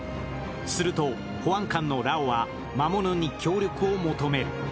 すると保安官のラオは魔物に協力を求める。